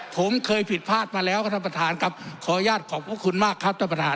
ผมเคยผิดพลาดมาแล้วครับท่านประธานครับขออนุญาตขอบพระคุณมากครับท่านประธาน